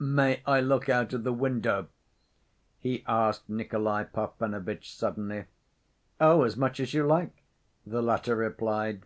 "May I look out of the window?" he asked Nikolay Parfenovitch, suddenly. "Oh, as much as you like," the latter replied.